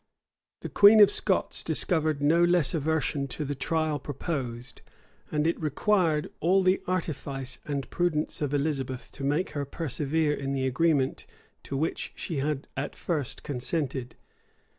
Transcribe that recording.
The queen of Scots discovered no less aversion to the trial proposed; and it required all the artifice and prudence of Elizabeth to make her persevere in the agreement to which she had at first consented.